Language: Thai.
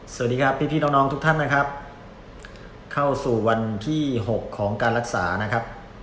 สวัสดีครับพี่น้องทุกท่านนะครับเข้าสู่วันที่๖ของการรักษานะครับ